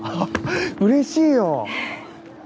うれしいよ！